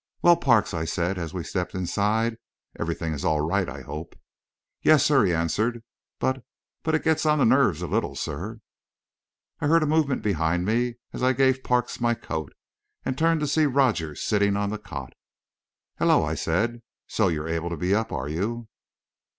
"Well, Parks," I said, as we stepped inside, "everything is all right, I hope?" "Yes, sir," he answered. "But but it gets on the nerves a little, sir." I heard a movement behind me, as I gave Parks my coat, and turned to see Rogers sitting on the cot. "Hello," I said, "so you're able to be up, are you?"